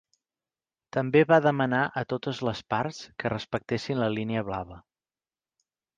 També va demanar a totes les parts que respectessin la Línia Blava.